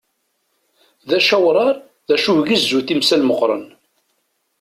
D acawrar dacu igezzu timsal meqqren.